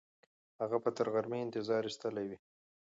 هغه به تر غرمه انتظار ایستلی وي.